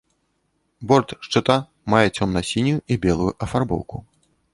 Борт шчыта мае цёмна-сінюю і белую афарбоўку.